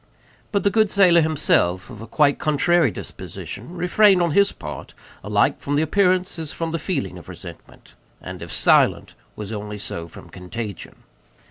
But the good sailor, himself of a quite contrary disposition, refrained, on his part, alike from the appearance as from the feeling of resentment, and if silent, was only so from contagion.